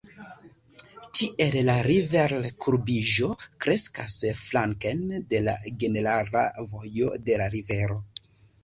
Tiel la river-kurbiĝo kreskas flanken de la ĝenerala vojo de la rivero.